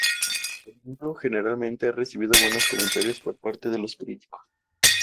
El libro generalmente ha recibido buenos comentarios por parte de los críticos.